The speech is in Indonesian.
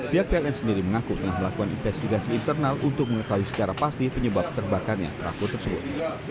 pihak pln sendiri mengaku telah melakukan investigasi internal untuk mengetahui secara pasti penyebab terbakarnya trafo tersebut